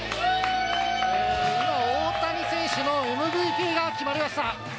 今、大谷選手のＭＶＰが決まりました。